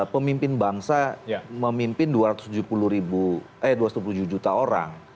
pemimpin bangsa memimpin dua ratus tujuh puluh ribu eh dua puluh tujuh juta orang